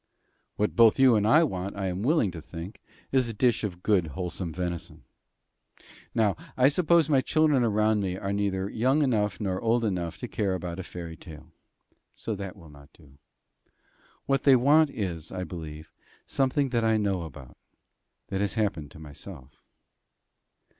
What both you and I want, I am willing to think, is a dish of good wholesome venison. Now I suppose my children around me are neither young enough nor old enough to care about a fairy tale. So that will not do. What they want is, I believe, something that I know about that has happened to myself.